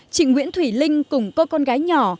chị nguyễn thủy linh cùng cô con gái nhỏ